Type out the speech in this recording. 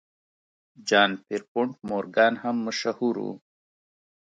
جان پیرپونټ مورګان هم مشهور و.